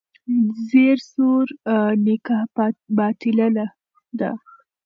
زیر زور نکاح باطله ده.